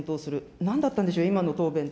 なんだったんでしょう、今の答弁って。